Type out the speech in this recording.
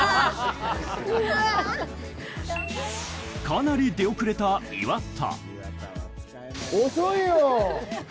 かなり出遅れた岩田。